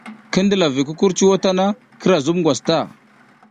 Ki ndila vi kukurcuw tana, kira zub ngwas ta.